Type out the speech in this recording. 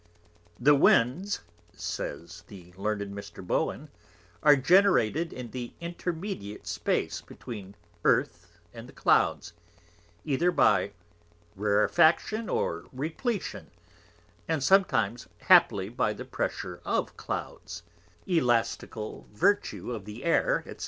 'The Winds,' says the Learned Mr. Bohun, 'are generated in the Intermediate Space between the Earth and the Clouds, either by Rarefaction or Repletion, and sometimes haply by pressure of Clouds, Elastical Virtue of the Air, &c.